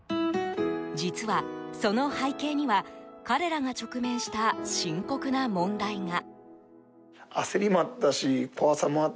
実は、その背景には彼らが直面した深刻な問題が。